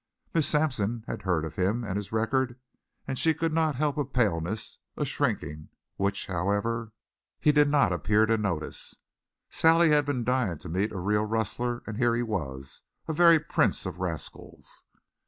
Miss Sampson had heard of him and his record, and she could not help a paleness, a shrinking, which, however, he did not appear to notice. Sally had been dying to meet a real rustler, and here he was, a very prince of rascals.